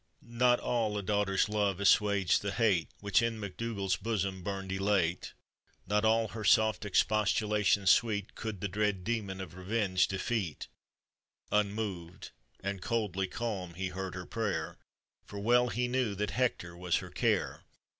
Not all a daughter's love assuaged the hate Which in MacDougall's bosom burned elate, Not all her soft expostulations sweet Could the dread demon of revenge defeat; Unmoved, land coldly calm he heard her prayer, For well he knew that Hector was her care.